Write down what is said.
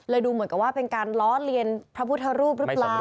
ดูเหมือนกับว่าเป็นการล้อเลียนพระพุทธรูปหรือเปล่า